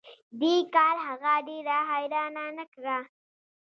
دې کار هغه ډیره حیرانه نه کړه